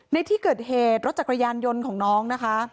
ในที่เกิดเหตุรถจักรยานยนต์ของน้องนะคะ